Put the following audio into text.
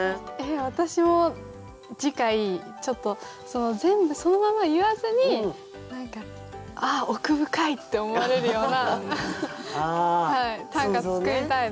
私も次回ちょっと全部そのまま言わずに何かああ奥深いって思われるような短歌作りたいです。